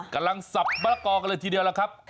กำลังสับมะละกอกเลยทีเดียวแล้วครับ